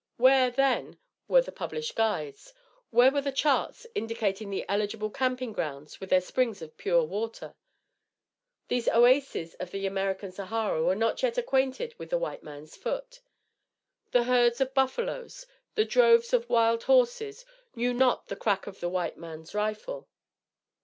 Where, then, were the published guides? Where were the charts indicating the eligible camping grounds with their springs of pure water? These oases of the American Sahara were not yet acquainted with the white man's foot. The herds of buffaloes, the droves of wild horses, knew not the crack of the white man's rifle.